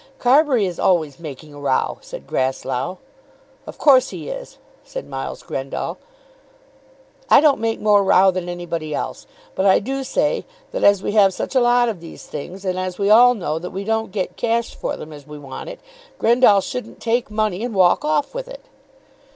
"Carbury is always making a row," said Grasslough. "Of course he is," said Miles Grendall. "I don't make more row than anybody else; but I do say that as we have such a lot of these things, and as we all know that we don't get cash for them as we want it, Grendall shouldn't take money and walk off with it."